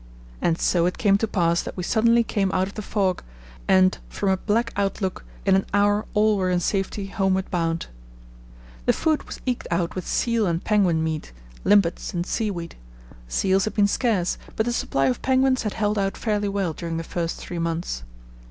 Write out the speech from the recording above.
'" And so it came to pass that we suddenly came out of the fog, and, from a black outlook, in an hour all were in safety homeward bound. The food was eked out with seal and penguin meat, limpets, and seaweed. Seals had been scarce, but the supply of penguins had held out fairly well during the first three months.